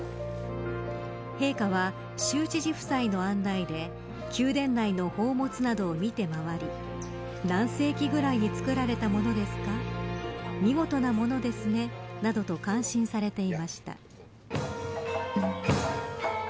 陛下は州知事夫妻の案内で宮殿内の宝物などを見て回り何世紀くらいに作られたものですか見事なものですねなどと感心されていました。